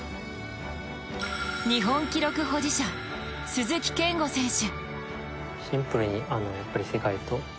日本記録保持者・鈴木健吾選手。